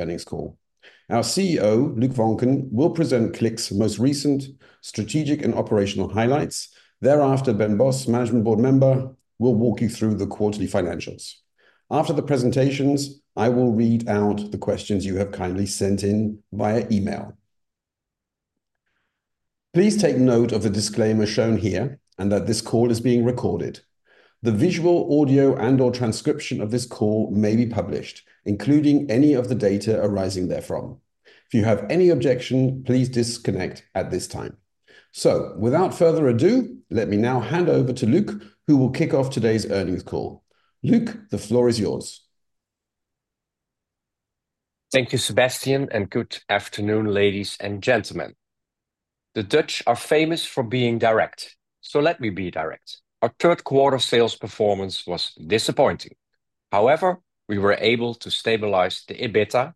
Earnings call. Our CEO, Luc Voncken, will present Cliq's most recent strategic and operational highlights. Thereafter, Ben Bos, Management Board member, will walk you through the quarterly financials. After the presentations, I will read out the questions you have kindly sent in via email. Please take note of the disclaimer shown here and that this call is being recorded. The visual, audio, and/or transcription of this call may be published, including any of the data arising therefrom. If you have any objection, please disconnect at this time. Without further ado, let me now hand over to Luc, who will kick off today's earnings call. Luc, the floor is yours. Thank you, Sebastian, and good afternoon, ladies and gentlemen. The Dutch are famous for being direct, so let me be direct. Our Q3 sales performance was disappointing. However, we were able to stabilize the EBITDA,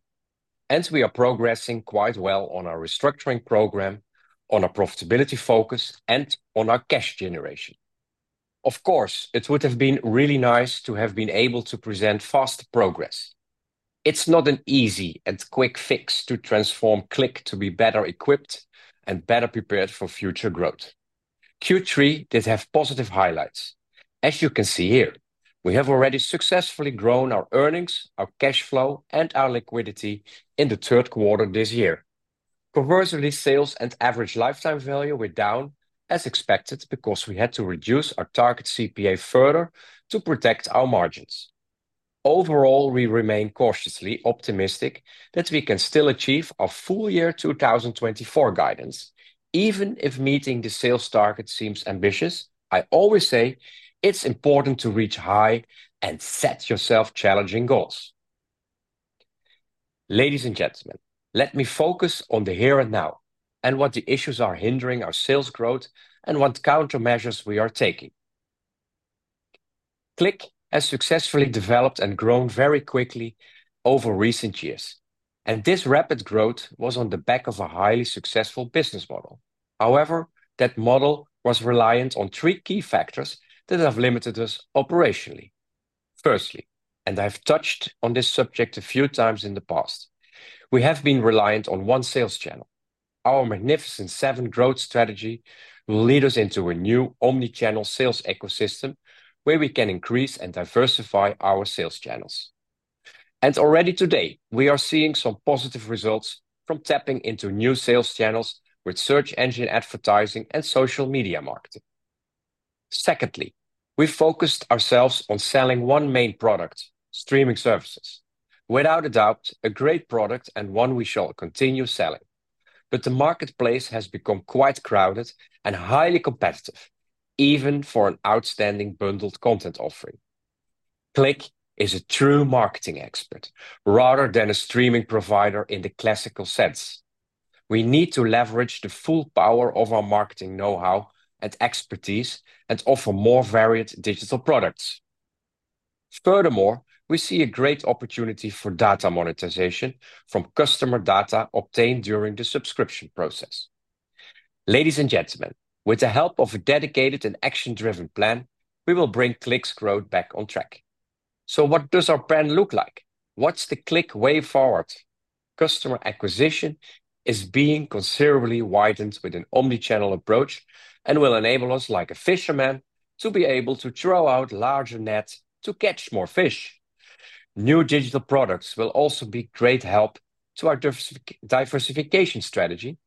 and we are progressing quite well on our restructuring program, on our profitability focus, and on our cash generation. Of course, it would have been really nice to have been able to present fast progress. It's not an easy and quick fix to transform Cliq to be better equipped and better prepared for future growth. Q3 did have positive highlights. As you can see here, we have already successfully grown our earnings, our cash flow, and our liquidity in the Q3 this year. Conversely, sales and average lifetime value were down, as expected, because we had to reduce our target CPA further to protect our margins. Overall, we remain cautiously optimistic that we can still achieve our full year 2024 guidance. Even if meeting the sales target seems ambitious, I always say it's important to reach high and set yourself challenging goals. Ladies and gentlemen, let me focus on the here and now and what the issues are hindering our sales growth and what countermeasures we are taking. Cliq has successfully developed and grown very quickly over recent years, and this rapid growth was on the back of a highly successful business model. However, that model was reliant on three key factors that have limited us operationally. Firstly, and I have touched on this subject a few times in the past, we have been reliant on one sales channel. Our Magnificent Seven growth strategy will lead us into a new omnichannel sales ecosystem where we can increase and diversify our sales channels. Already today, we are seeing some positive results from tapping into new sales channels with search engine advertising and social media marketing. Secondly, we focused ourselves on selling one main product, streaming services. Without a doubt, a great product and one we shall continue selling. But the marketplace has become quite crowded and highly competitive, even for an outstanding bundled content offering. Cliq is a true marketing expert rather than a streaming provider in the classical sense. We need to leverage the full power of our marketing know-how and expertise and offer more varied digital products. Furthermore, we see a great opportunity for data monetization from customer data obtained during the subscription process. Ladies and gentlemen, with the help of a dedicated and action-driven plan, we will bring Cliq's growth back on track. What does our plan look like? What's the Cliq way forward? Customer acquisition is being considerably widened with an omnichannel approach and will enable us, like a fisherman, to be able to throw out larger nets to catch more fish. New digital products will also be a great help to our diversification strategy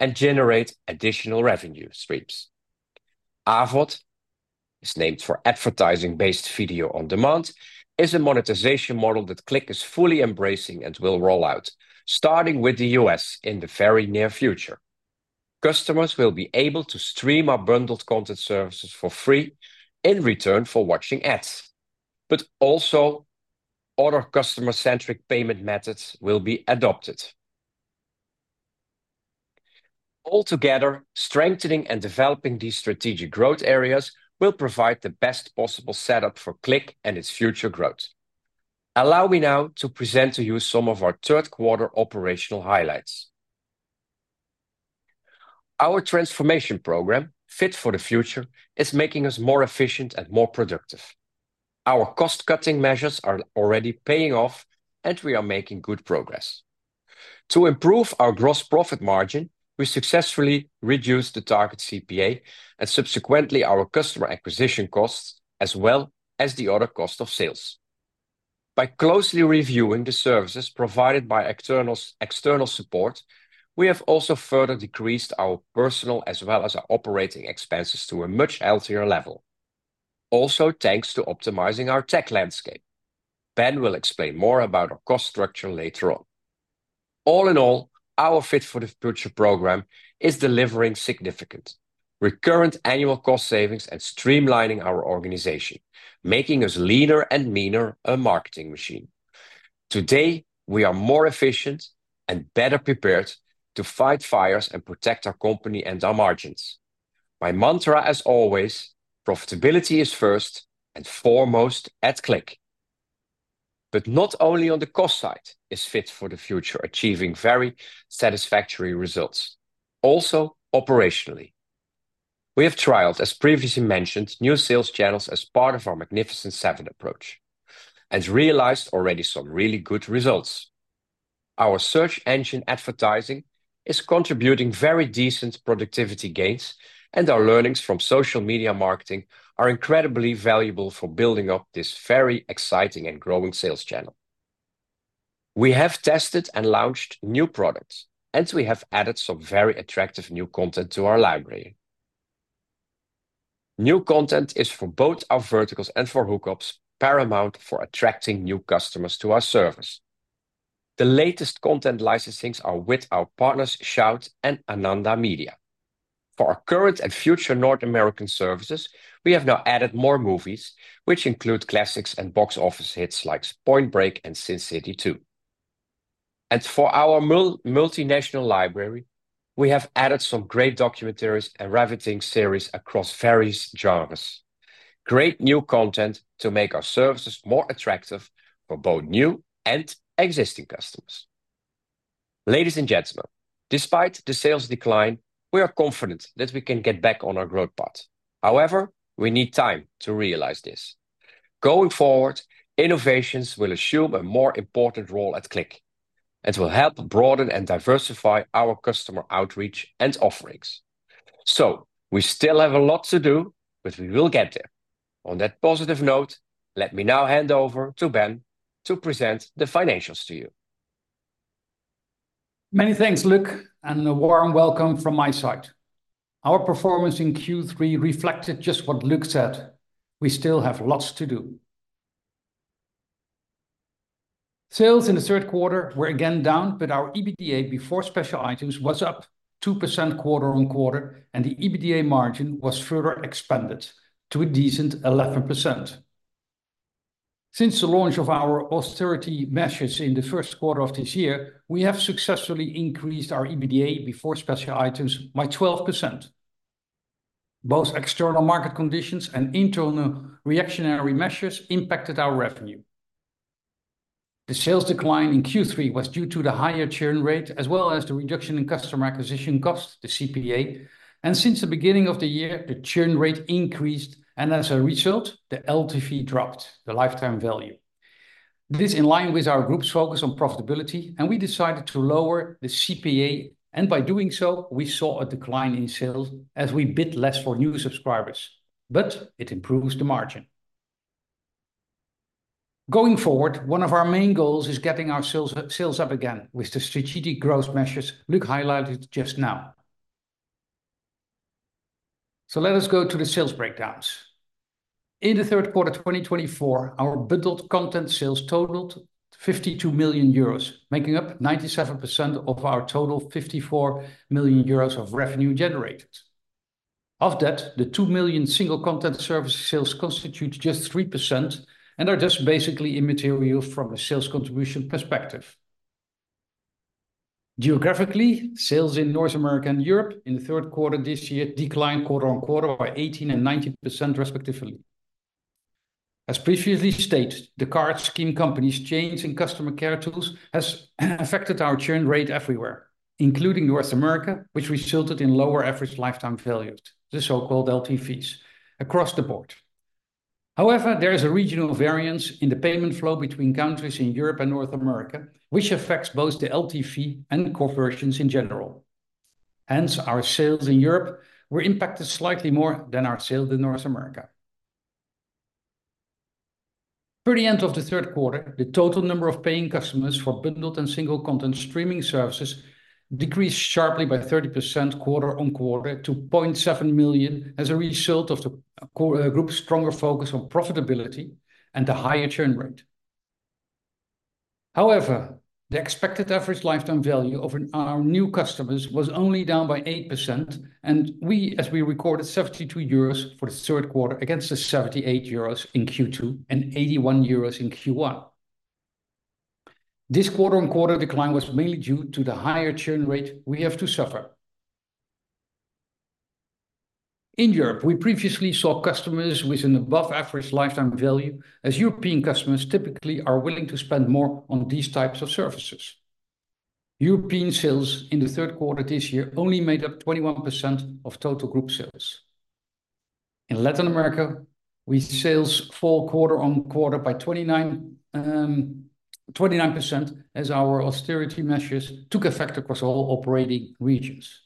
and generate additional revenue streams. AVOD, it's named for advertising-based video on demand, is a monetization model that Cliq is fully embracing and will roll out, starting with the US in the very near future. Customers will be able to stream our bundled content services for free in return for watching ads. But also, other customer-centric payment methods will be adopted. Altogether, strengthening and developing these strategic growth areas will provide the best possible setup for Cliq and its future growth. Allow me now to present to you some of our Q3 operational highlights. Our transformation program, Fit for the Future, is making us more efficient and more productive. Our cost-cutting measures are already paying off, and we are making good progress. To improve our gross profit margin, we successfully reduced the target CPA and subsequently our customer acquisition costs, as well as the other cost of sales. By closely reviewing the services provided by external support, we have also further decreased our personnel as well as our operating expenses to a much healthier level. Also, thanks to optimizing our tech landscape, Ben will explain more about our cost structure later on. All in all, our Fit for the Future program is delivering significant recurrent annual cost savings and streamlining our organization, making us leaner and meaner, a marketing machine. Today, we are more efficient and better prepared to fight fires and protect our company and our margins. My mantra, as always, profitability is first and foremost at Cliq. But not only on the cost side is Fit for the Future achieving very satisfactory results, also operationally. We have trialed, as previously mentioned, new sales channels as part of our Magnificent Seven approach and realized already some really good results. Our search engine advertising is contributing very decent productivity gains, and our learnings from social media marketing are incredibly valuable for building up this very exciting and growing sales channel. We have tested and launched new products, and we have added some very attractive new content to our library. New content is for both our verticals and for hookups, paramount for attracting new customers to our service. The latest content licensings are with our partners Shout and Ananda Media. For our current and future North American services, we have now added more movies, which include classics and box office hits like Point Break and Sin City 2, and for our multinational library, we have added some great documentaries and ravishing series across various genres. Great new content to make our services more attractive for both new and existing customers. Ladies and gentlemen, despite the sales decline, we are confident that we can get back on our growth path. However, we need time to realize this. Going forward, innovations will assume a more important role at Cliq and will help broaden and diversify our customer outreach and offerings, so we still have a lot to do, but we will get there. On that positive note, let me now hand over to Ben to present the financials to you. Many thanks, Luc, and a warm welcome from my side. Our performance in Q3 reflected just what Luc said. We still have lots to do. Sales in the Q3 were again down, but our EBITDA before special items was up 2% quarter-on-quarter, and the EBITDA margin was further expanded to a decent 11%. Since the launch of our austerity measures in the Q1 of this year, we have successfully increased our EBITDA before special items by 12%. Both external market conditions and internal reactionary measures impacted our revenue. The sales decline in Q3 was due to the higher churn rate, as well as the reduction in customer acquisition cost, the CPA. And since the beginning of the year, the churn rate increased, and as a result, the LTV dropped, the lifetime value. This is in line with our group's focus on profitability, and we decided to lower the CPA, and by doing so, we saw a decline in sales as we bid less for new subscribers, but it improves the margin. Going forward, one of our main goals is getting our sales up again with the strategic growth measures Luc highlighted just now, so let us go to the sales breakdowns. In the Q3 2024, our bundled content sales totaled 52 million euros, making up 97% of our total 54 million euros of revenue generated. Of that, the 2 million single content service sales constitute just 3% and are just basically immaterial from a sales contribution perspective. Geographically, sales in North America and Europe in the Q3 this year declined quarter-on-quarter by 18% and 90%, respectively. As previously stated, the current scheme companies' change in customer care tools has affected our churn rate everywhere, including North America, which resulted in lower average lifetime values, the so-called LTVs, across the board. However, there is a regional variance in the payment flow between countries in Europe and North America, which affects both the LTV and CACs in general. Hence, our sales in Europe were impacted slightly more than our sales in North America. Per the end of the Q3, the total number of paying customers for bundled and single content streaming services decreased sharply by 30% quarter-on-quarter to 0.7 million as a result of the group's stronger focus on profitability and the higher churn rate. However, the expected average lifetime value of our new customers was only down by 8%, and we, as we recorded, 72 euros for the Q3 against the 78 euros in Q2 and 81 euros in Q1. This quarter-on-quarter decline was mainly due to the higher churn rate we have to suffer. In Europe, we previously saw customers with an above-average lifetime value, as European customers typically are willing to spend more on these types of services. European sales in the Q3 this year only made up 21% of total group sales. In Latin America, our sales fell quarter-on-quarter by 29% as our austerity measures took effect across all operating regions.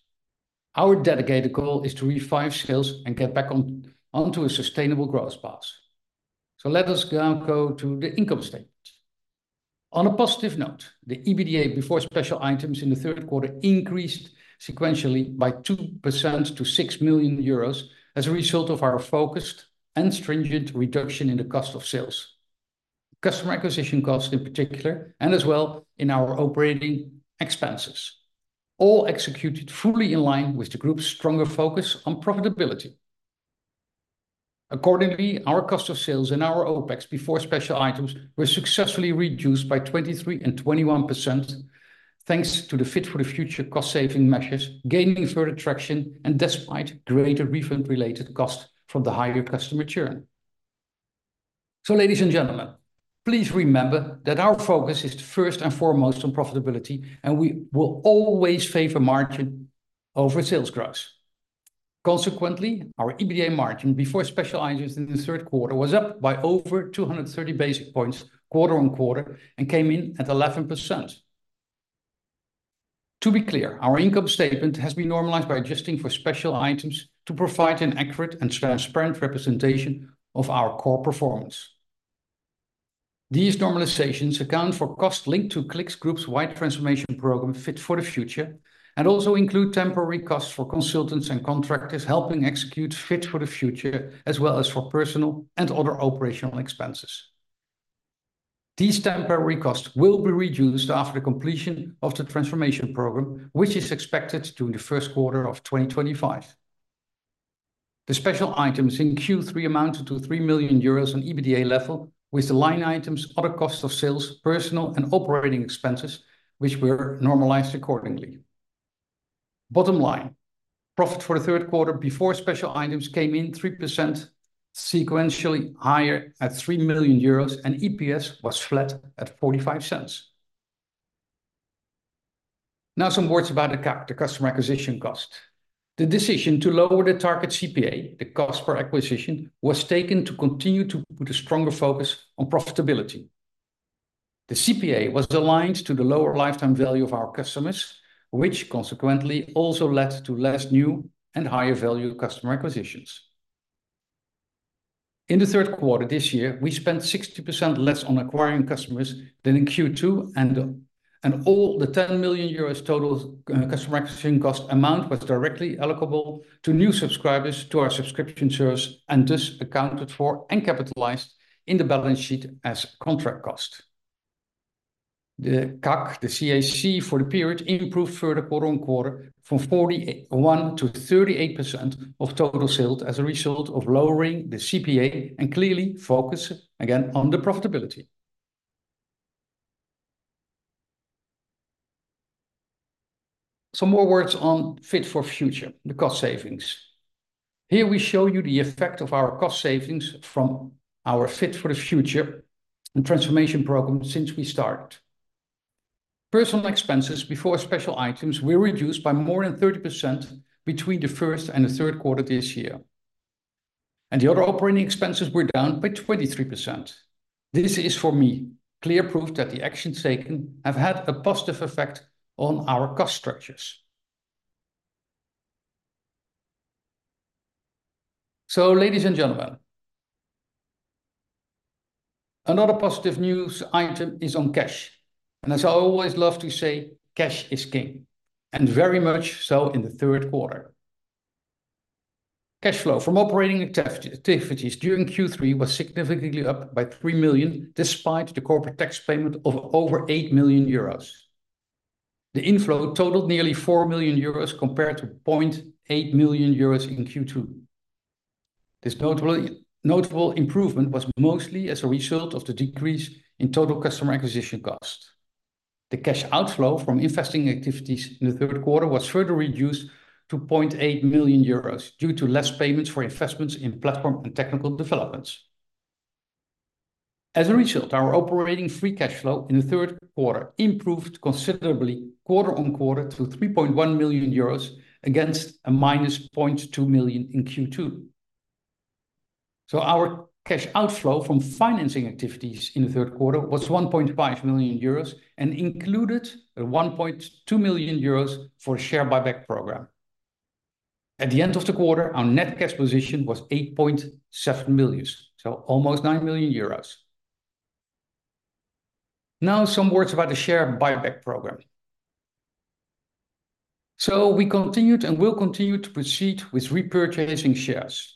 Our delegated goal is to revive sales and get back onto a sustainable growth path, so let us now go to the income statement. On a positive note, the EBITDA before special items in the Q3 increased sequentially by 2% to 6 million euros as a result of our focused and stringent reduction in the cost of sales. Customer acquisition costs in particular, and as well in our operating expenses, all executed fully in line with the group's stronger focus on profitability. Accordingly, our cost of sales and our OpEx before special items were successfully reduced by 23% and 21% thanks to the Fit for the Future cost-saving measures gaining further traction and despite greater refund-related costs from the higher customer churn. So ladies and gentlemen, please remember that our focus is first and foremost on profitability, and we will always favor margin over sales growth. Consequently, our EBITDA margin before special items in the Q3 was up by over 230 basis points quarter-on-quarter and came in at 11%. To be clear, our income statement has been normalized by adjusting for special items to provide an accurate and transparent representation of our core performance. These normalizations account for costs linked to Cliq's group-wide transformation program, Fit for the Future, and also include temporary costs for consultants and contractors helping execute Fit for the Future, as well as for personnel and other operational expenses. These temporary costs will be reduced after the completion of the transformation program, which is expected to be in the Q1 of 2025. The special items in Q3 amounted to 3 million euros on EBITDA level, with the line items, other costs of sales, personnel, and operating expenses, which were normalized accordingly. Bottom line, profits for the Q3 before special items came in 3% sequentially higher at 3 million euros, and EPS was flat at 0.45. Now some words about the customer acquisition cost. The decision to lower the target CPA, the cost per acquisition, was taken to continue to put a stronger focus on profitability. The CPA was aligned to the lower lifetime value of our customers, which consequently also led to less new and higher value customer acquisitions. In the Q3 this year, we spent 60% less on acquiring customers than in Q2, and all the 10 million euros total customer acquisition cost amount was directly allocable to new subscribers to our subscription service, and this accounted for and capitalized in the balance sheet as contract cost. The CAC, the CAC for the period, improved further quarter-on-quarter from 41% to 38% of total sales as a result of lowering the CPA and clearly focusing again on the profitability. Some more words on Fit for the Future, the cost savings. Here we show you the effect of our cost savings from our Fit for the Future and transformation program since we started. Personnel expenses before special items were reduced by more than 30% between the first and the Q3 this year, and the other operating expenses were down by 23%. This is, for me, clear proof that the actions taken have had a positive effect on our cost structures. So ladies and gentlemen, another positive news item is on cash, and as I always love to say, cash is king, and very much so in the Q3. Cash flow from operating activities during Q3 was significantly up by 3 million, despite the corporate tax payment of over 8 million euros. The inflow totaled nearly 4 million euros compared to 0.8 million euros in Q2. This notable improvement was mostly as a result of the decrease in total customer acquisition cost. The cash outflow from investing activities in the Q3 was further reduced to 0.8 million euros due to less payments for investments in platform and technical developments. As a result, our operating free cash flow in the Q3 improved considerably quarter-on-quarter to 3.1 million euros against a minus 0.2 million in Q2. So our cash outflow from financing activities in the Q3 was 1.5 million euros and included 1.2 million euros for a share buyback program. At the end of the quarter, our net cash position was 8.7 million, so almost 9 million euros. Now some words about the share buyback program. So we continued and will continue to proceed with repurchasing shares.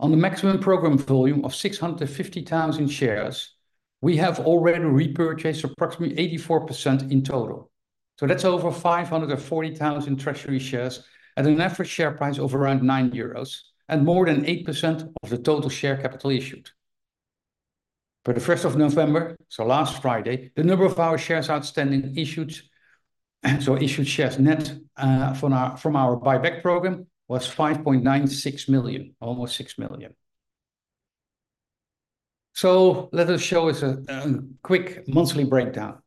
On the maximum program volume of 650,000 shares, we have already repurchased approximately 84% in total. That's over 540,000 treasury shares at an average share price of around 9 euros and more than 8% of the total share capital issued. Per the 1st of November, so last Friday, the number of our shares outstanding issued, so issued shares net from our buyback program was 5.96 million, almost 6 million. So let us show us a quick monthly breakdown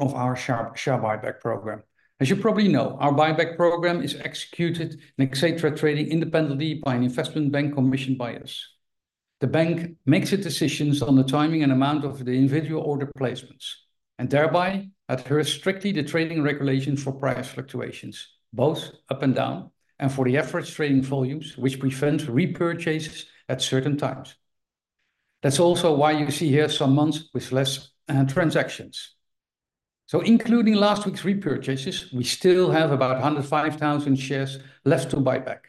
of our share buyback program. As you probably know, our buyback program is executed and Xetra trading independently by an investment bank commissioned by us. The bank makes its decisions on the timing and amount of the individual order placements and thereby adheres strictly to trading regulations for price fluctuations, both up and down, and for the average trading volumes, which prevent repurchases at certain times. That's also why you see here some months with less transactions. Including last week's repurchases, we still have about 105,000 shares left to buy back.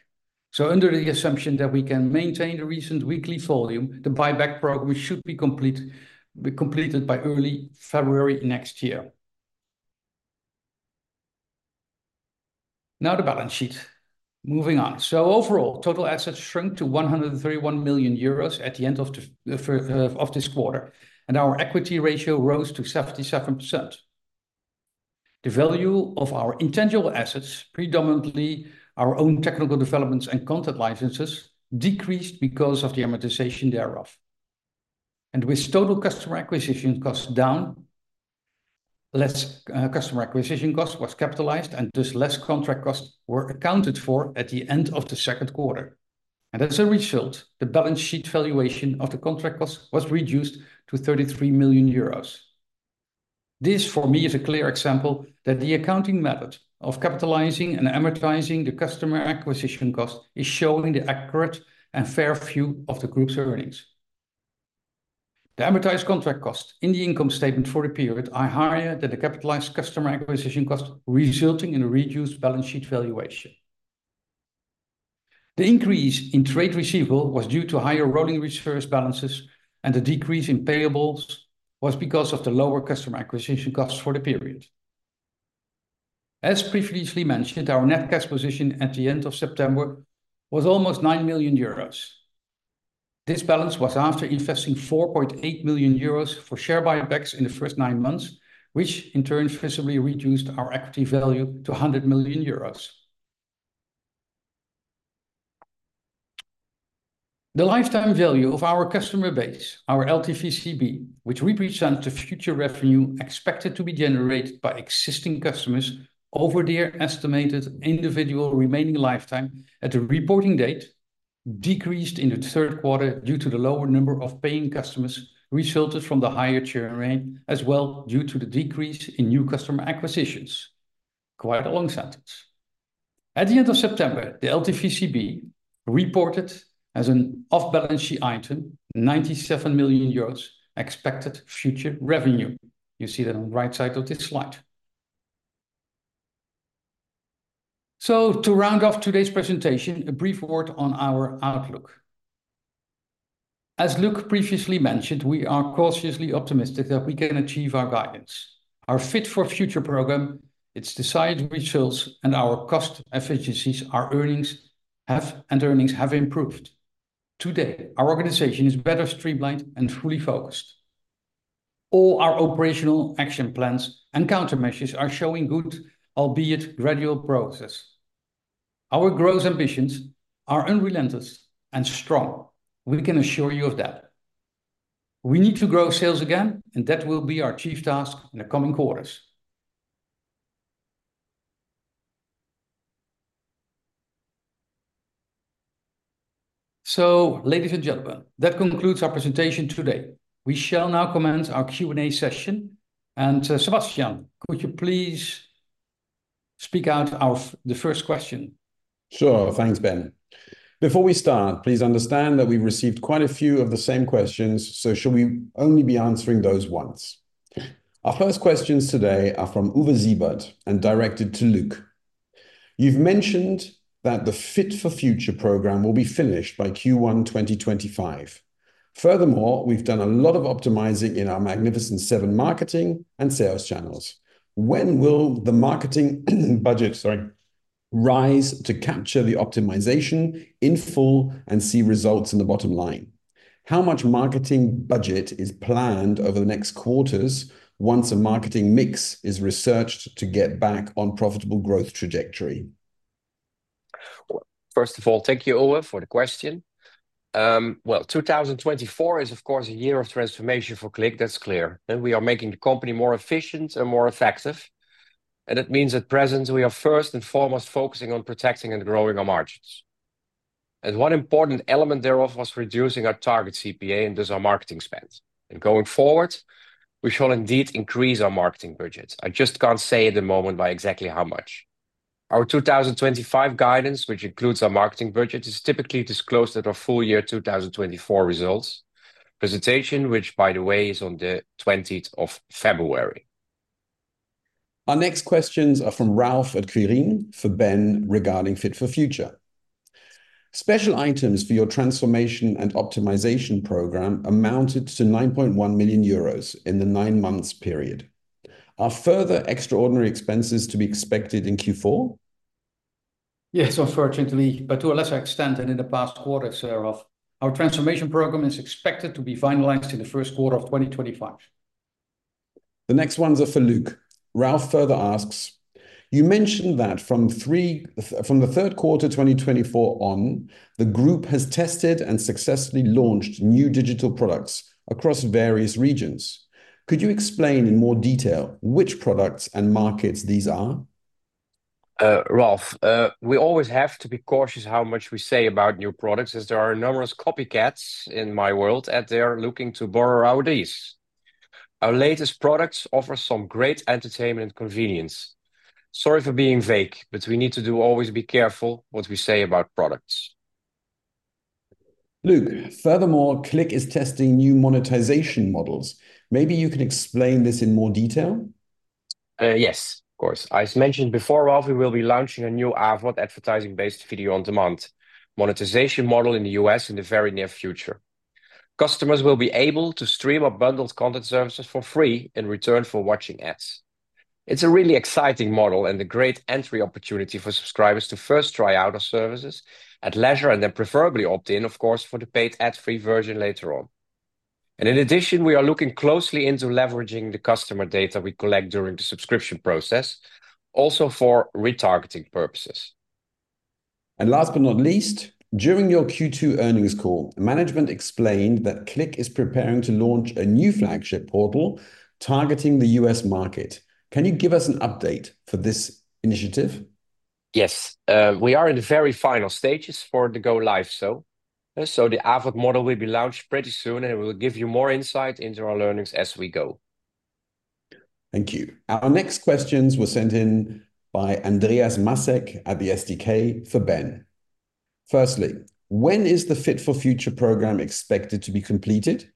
Under the assumption that we can maintain the recent weekly volume, the buyback program should be completed by early February next year. Now the balance sheet. Moving on. Overall, total assets shrunk to 131 million euros at the end of this quarter, and our equity ratio rose to 77%. The value of our intangible assets, predominantly our own technical developments and content licenses, decreased because of the amortization thereof. With total customer acquisition costs down, less customer acquisition costs were capitalized, and thus less contract costs were accounted for at the end of the Q2. As a result, the balance sheet valuation of the contract costs was reduced to 33 million euros. This, for me, is a clear example that the accounting method of capitalizing and amortizing the customer acquisition cost is showing the accurate and fair view of the group's earnings. The amortized contract cost in the income statement for the period is higher than the capitalized customer acquisition cost, resulting in a reduced balance sheet valuation. The increase in trade receivable was due to higher rolling reserves balances, and the decrease in payables was because of the lower customer acquisition costs for the period. As previously mentioned, our net cash position at the end of September was almost 9 million euros. This balance was after investing 4.8 million euros for share buybacks in the first nine months, which in turn visibly reduced our equity value to 100 million euros. The lifetime value of our customer base, our LTVCB, which represents the future revenue expected to be generated by existing customers over their estimated individual remaining lifetime at the reporting date, decreased in the Q3 due to the lower number of paying customers resulted from the higher churn rate, as well due to the decrease in new customer acquisitions. Quite a long sentence. At the end of September, the LTVCB reported as an off-balance sheet item 97 million euros expected future revenue. You see that on the right side of this slide. To round off today's presentation, a brief word on our outlook. As Luc previously mentioned, we are cautiously optimistic that we can achieve our guidance. Our Fit for the Future program, its decided results, and our cost efficiencies, our earnings have improved. Today, our organization is better streamlined and fully focused. All our operational action plans and countermeasures are showing good, albeit gradual progress. Our growth ambitions are unrelenting and strong. We can assure you of that. We need to grow sales again, and that will be our chief task in the coming quarters, so ladies and gentlemen, that concludes our presentation today. We shall now commence our Q&A session, and Sebastian, could you please speak out of the first question? Sure, thanks, Ben. Before we start, please understand that we've received quite a few of the same questions, so should we only be answering those once? Our first questions today are from Uwe Seibert and directed to Luc. You've mentioned that the Fit for the Future program will be finished by Q1 2025. Furthermore, we've done a lot of optimizing in our Magnificent Seven marketing and sales channels. When will the marketing budget, sorry, rise to capture the optimization in full and see results in the bottom line? How much marketing budget is planned over the next quarters once a marketing mix is researched to get back on a profitable growth trajectory? First of all, thank you, Uwe, for the question. 2024 is, of course, a year of transformation for Cliq. That's clear. We are making the company more efficient and more effective. That means at present we are first and foremost focusing on protecting and growing our margins. One important element thereof was reducing our target CPA, and thus our marketing spend. Going forward, we shall indeed increase our marketing budget. I just can't say at the moment by exactly how much. Our 2025 guidance, which includes our marketing budget, is typically disclosed at our full year 2024 results presentation, which, by the way, is on the 20th of February. Our next questions are from Ralf at Quirin for Ben regarding Fit for Future. Special items for your transformation and optimization program amounted to 9.1 million euros in the nine months period. Are further extraordinary expenses to be expected in Q4? Yes, unfortunately, but to a lesser extent than in the past quarter, sir. Our transformation program is expected to be finalized in the Q1 of 2025. The next ones are for Luc. Ralf further asks, you mentioned that from the Q3 2024 on, the group has tested and successfully launched new digital products across various regions. Could you explain in more detail which products and markets these are? Ralf, we always have to be cautious how much we say about new products, as there are numerous copycats in my world out there looking to borrow our ideas. Our latest products offer some great entertainment and convenience. Sorry for being vague, but we need to always be careful what we say about products. Luc, furthermore, Cliq is testing new monetization models. Maybe you can explain this in more detail? Yes, of course. As mentioned before, Ralf, we will be launching a new advertising-based video on demand monetization model in the US in the very near future. Customers will be able to stream our bundled content services for free in return for watching ads. It's a really exciting model and a great entry opportunity for subscribers to first try out our services at leisure and then preferably opt in, of course, for the paid ad-free version later on. In addition, we are looking closely into leveraging the customer data we collect during the subscription process, also for retargeting purposes. And last but not least, during your Q2 earnings call, management explained that Cliq is preparing to launch a new flagship portal targeting the U.S. market. Can you give us an update for this initiative? Yes, we are in the very final stages for the go-live, so the AVOD model will be launched pretty soon, and it will give you more insight into our learnings as we go. Thank you. Our next questions were sent in by Andreas Masek at the SdK for Ben. Firstly, when is the Fit for Future program expected to be completed?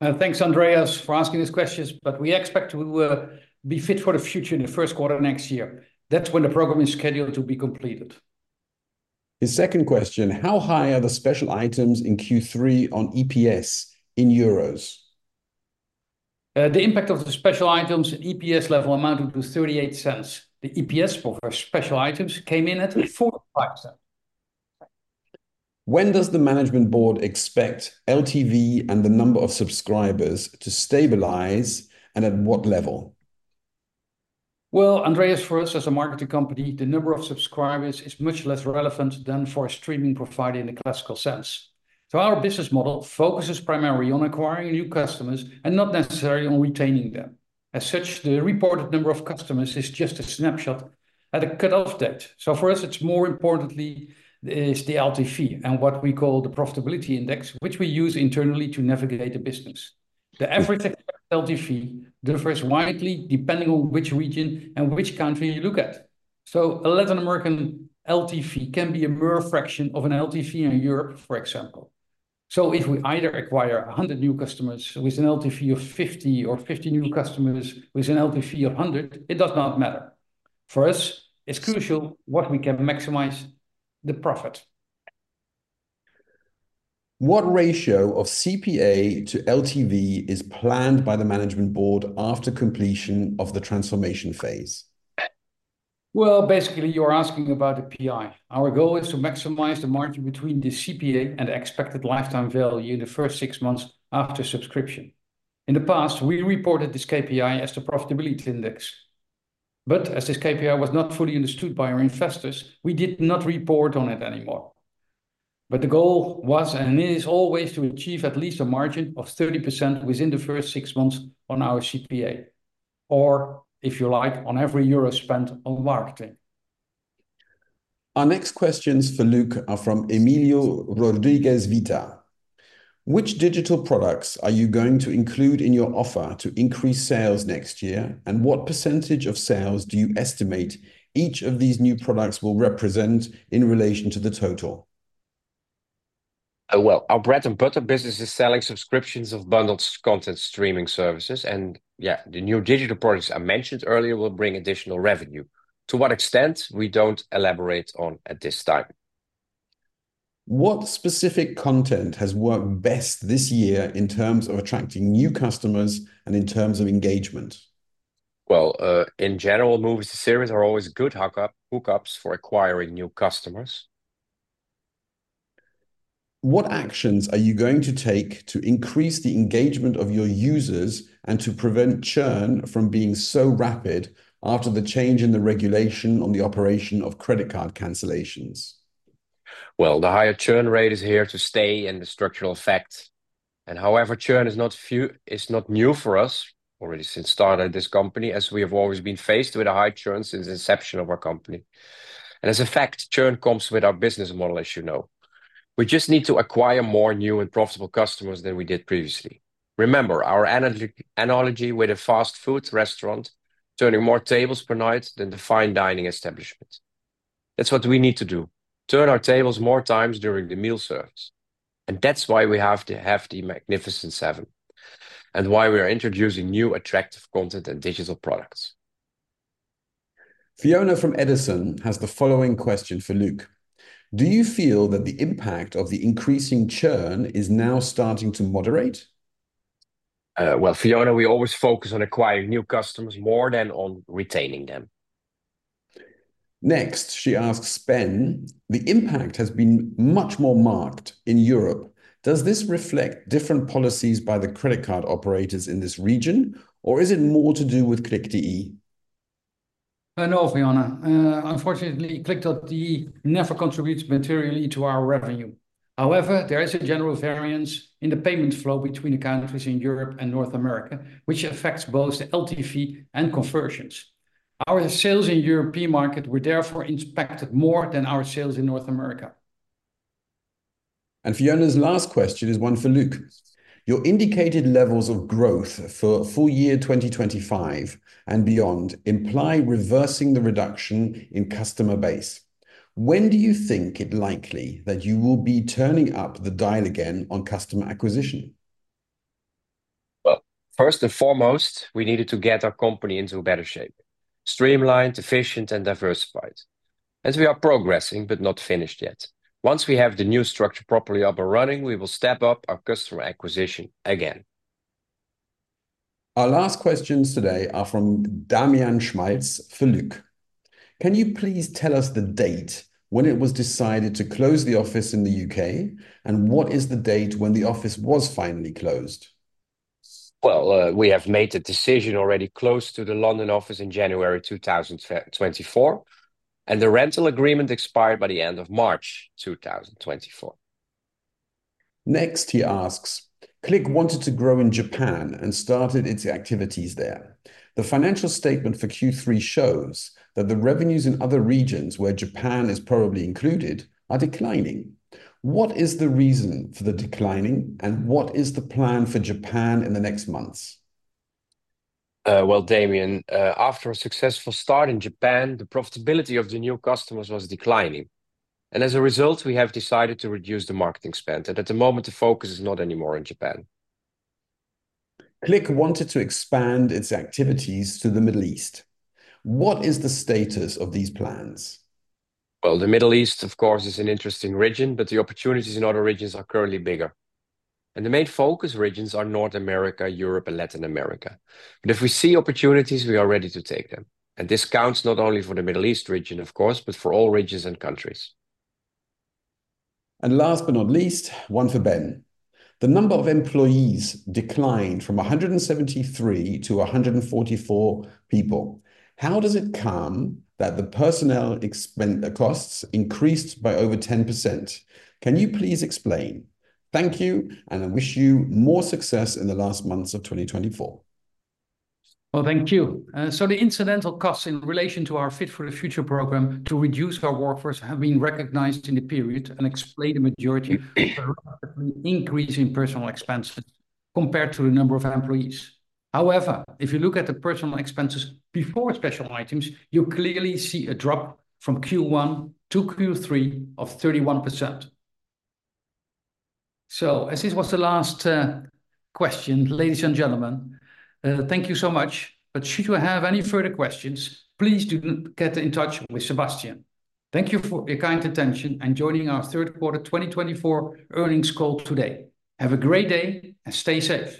Thanks, Andreas, for asking these questions, but we expect to be fit for the future in the Q1 next year. That's when the program is scheduled to be completed. His second question, how high are the special items in Q3 on EPS in euros? The impact of the special items in EPS level amounted to 0.38. The EPS for special items came in at 0.45. When does the management board expect LTV and the number of subscribers to stabilize, and at what level? Well, Andreas, for us as a marketing company, the number of subscribers is much less relevant than for a streaming provider in the classical sense. So our business model focuses primarily on acquiring new customers and not necessarily on retaining them. As such, the reported number of customers is just a snapshot at a cut-off date. So for us, it's more importantly the LTV and what we call the profitability index, which we use internally to navigate the business. The average LTV differs widely depending on which region and which country you look at. A Latin American LTV can be a mere fraction of an LTV in Europe, for example. So if we either acquire 100 new customers with an LTV of 50 or 50 new customers with an LTV of 100, it does not matter. For us, it's crucial what we can maximize the profit. What ratio of CPA to LTV is planned by the Management Board after completion of the transformation phase? Well, basically, you're asking about the PI. Our goal is to maximize the margin between the CPA and the expected lifetime value in the first six months after subscription. In the past, we reported this KPI as the Profitability Index. But as this KPI was not fully understood by our investors, we did not report on it anymore. But the goal was and is always to achieve at least a margin of 30% within the first six months on our CPA, or if you like, on every euro spent on marketing. Our next questions for Luc are from Emilio Rodriguez Vita. Which digital products are you going to include in your offer to increase sales next year, and what percentage of sales do you estimate each of these new products will represent in relation to the total? Well, our bread and butter business is selling subscriptions of bundled content streaming services, and yeah, the new digital products I mentioned earlier will bring additional revenue. To what extent, we don't elaborate on at this time. What specific content has worked best this year in terms of attracting new customers and in terms of engagement? Well, in general, movies and series are always good hookups for acquiring new customers. What actions are you going to take to increase the engagement of your users and to prevent churn from being so rapid after the change in the regulation on the operation of credit card cancellations? The higher churn rate is here to stay in the structural effect. However, churn is not new for us already since starting at this company, as we have always been faced with a high churn since the inception of our company. As a fact, churn comes with our business model, as you know. We just need to acquire more new and profitable customers than we did previously. Remember our analogy with a fast food restaurant turning more tables per night than the fine dining establishment. That's what we need to do: turn our tables more times during the meal service. That's why we have to have the Magnificent Seven and why we are introducing new attractive content and digital products. Fiona from Edison has the following question for Luc. Do you feel that the impact of the increasing churn is now starting to moderate? Fiona, we always focus on acquiring new customers more than on retaining them. Next, she asks Ben, the impact has been much more marked in Europe. Does this reflect different policies by the credit card operators in this region, or is it more to do with Cliq.de? No, Fiona. Unfortunately, Cliq.de never contributes materially to our revenue. However, there is a general variance in the payment flow between the countries in Europe and North America, which affects both the LTV and conversions. Our sales in the European market were therefore impacted more than our sales in North America. Fiona's last question is one for Luc. Your indicated levels of growth for full year 2025 and beyond imply reversing the reduction in customer base. When do you think it likely that you will be turning up the dial again on customer acquisition? First and foremost, we needed to get our company into a better shape: streamlined, efficient, and diversified. As we are progressing, but not finished yet. Once we have the new structure properly up and running, we will step up our customer acquisition again. Our last questions today are from Damian Schmaltz for Luc. Can you please tell us the date when it was decided to close the office in the UK, and what is the date when the office was finally closed? We have made a decision to close the London office in January 2024, and the rental agreement expired by the end of March 2024. Next, he asks, Cliq wanted to grow in Japan and started its activities there. The financial statement for Q3 shows that the revenues in other regions where Japan is probably included are declining. What is the reason for the decline, and what is the plan for Japan in the next months? Damian, after a successful start in Japan, the profitability of the new customers was declining. And as a result, we have decided to reduce the marketing spend. And at the moment, the focus is not anymore in Japan. Cliq wanted to expand its activities to the Middle East. What is the status of these plans? The Middle East, of course, is an interesting region, but the opportunities in other regions are currently bigger. The main focus regions are North America, Europe, and Latin America. If we see opportunities, we are ready to take them. This counts not only for the Middle East region, of course, but for all regions and countries. Last but not least, one for Ben. The number of employees declined from 173 to 144 people. How does it come that the personnel costs increased by over 10%? Can you please explain? Thank you, and I wish you more success in the last months of 2024. Thank you. The incidental costs in relation to our Fit for the Future program to reduce our workforce have been recognized in the period and explain the majority of the rapidly increasing personnel expenses compared to the number of employees. However, if you look at the personnel expenses before special items, you clearly see a drop from Q1 to Q3 of 31%. So as this was the last question, ladies and gentlemen, thank you so much. But should you have any further questions, please do get in touch with Sebastian. Thank you for your kind attention and joining our Q3 2024 earnings call today. Have a great day and stay safe.